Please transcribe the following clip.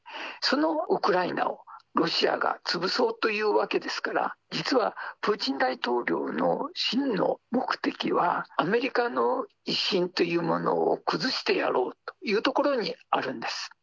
そのウクライナをロシアが潰そうというわけですから、実はプーチン大統領の真の目的は、アメリカの威信というものを崩してやろうというところにあるんです。